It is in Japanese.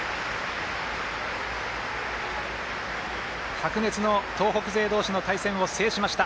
白熱の東北勢同士の対戦を制しました。